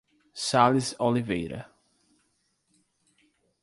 Sales Oliveira